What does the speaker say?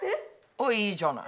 あっいいじゃない。